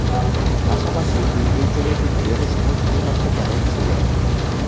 পাশাপাশি তিনি এই চলচ্চিত্রের সহ-চিত্রনাট্যকারও ছিলেন।